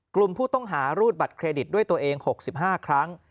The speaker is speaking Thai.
กลุ่มผู้ต้องหารูดบัตรเครดิตด้วยตัวเอง๖๕ครั้ง